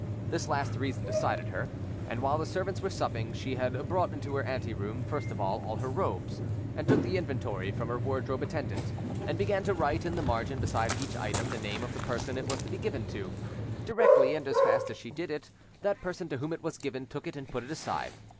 This last reason decided her, and while the servants were supping, she had brought into her ante room, first of all, all her robes, and took the inventory from her wardrobe attendant, and began to write in the margin beside each item the name of the person it was to be given to. Directly, and as fast as she did it, that person to whom it was given took it and put it aside.